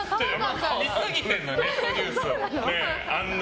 見すぎてる、ネットニュースを。